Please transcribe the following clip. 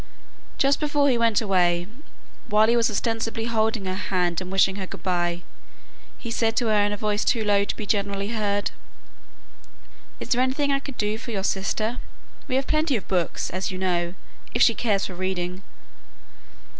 Just before he went away, while he was ostensibly holding her hand and wishing her good by, he said to her in a voice too low to be generally heard, "Is there anything I could do for your sister? We have plenty of books, as you know, if she cares for reading."